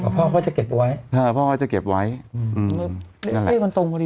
พ่อจะเก็บไว้